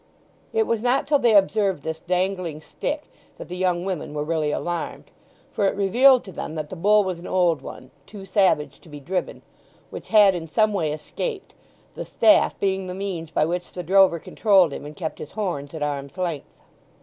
It was not till they observed this dangling stick that the young women were really alarmed; for it revealed to them that the bull was an old one, too savage to be driven, which had in some way escaped, the staff being the means by which the drover controlled him and kept his horns at arms' length.